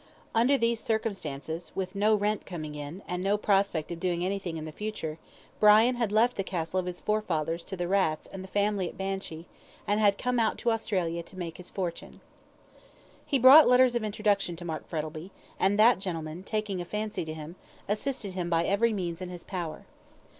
Under these circumstances, with no rent coming in, and no prospect of doing anything in the future, Brian had left the castle of his forefathers to the rats and the family Banshee, and had come out to Australia to make his fortune. He brought letters of introduction to Mark Frettlby, and that gentleman, taking a fancy to him, assisted him by every means in his power.